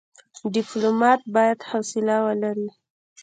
ډيپلومات بايد حوصله ولري.